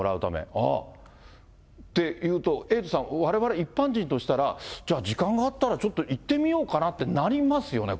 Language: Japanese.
ああ、っていうと、エイトさん、われわれ一般人としたら、じゃあ、時間があったらちょっと行ってみようかなってなりますよね？